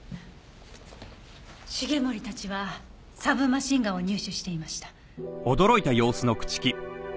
繁森たちはサブマシンガンを入手していました。